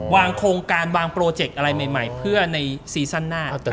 โครงการวางโปรเจกต์อะไรใหม่เพื่อในซีซั่นหน้า